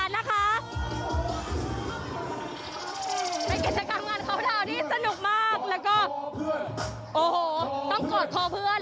ในกิจกรรมงานเขาทาวน์ที่สนุกมากแล้วก็โอ้โหต้องกอดคอเพื่อน